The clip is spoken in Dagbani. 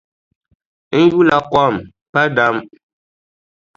N yula kom pa dam.